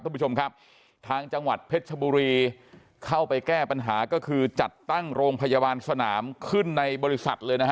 คุณผู้ชมครับทางจังหวัดเพชรชบุรีเข้าไปแก้ปัญหาก็คือจัดตั้งโรงพยาบาลสนามขึ้นในบริษัทเลยนะฮะ